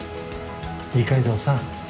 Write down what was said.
二階堂さん